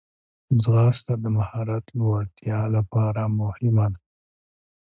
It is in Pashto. ځغاسته د مهارت لوړتیا لپاره مهمه ده